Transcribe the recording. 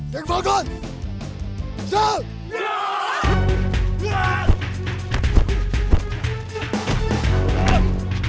tuhan seine kebenaran